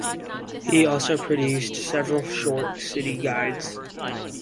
He also produced several short city guides.